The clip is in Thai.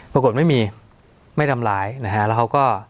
ปรากฏไม่มีไม่ทำร้ายนะฮะแล้วเขาก็